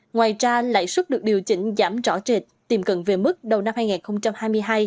ngoài ra lãi suất được điều chỉnh giảm rõ rệt tiềm cận về mức đầu năm hai nghìn hai mươi hai